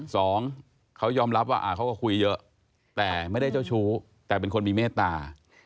สองเขายอมรับว่าเขาก็คุยเยอะแต่ไม่ได้เจ้าชู้แต่เป็นคนมีเมตตา